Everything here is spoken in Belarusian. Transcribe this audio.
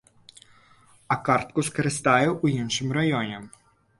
А картку скарыстае ў іншым раёне.